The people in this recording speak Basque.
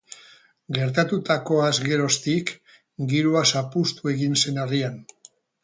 Gertatutakoaz geroztik, giroa zapuztu egin zen herrian.